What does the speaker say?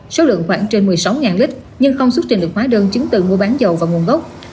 số lượng khoảng trên một mươi sáu lít nhưng không xuất trình được hóa đơn chứng từ mua bán dầu và nguồn gốc